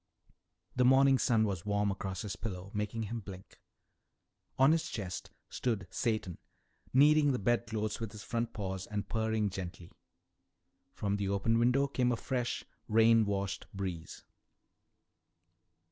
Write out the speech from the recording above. The morning sun was warm across his pillow, making him blink. On his chest stood Satan, kneading the bedclothes with his front paws and purring gently. From the open window came a fresh, rain washed breeze.